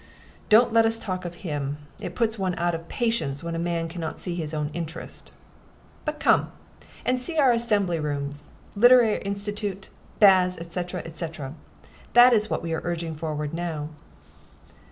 Don't let us talk of him. It puts one out of patience when a man can not see his own interest. But come and see our assembly rooms, literary institute, baths, etc., etc. that is what we are urging forward now."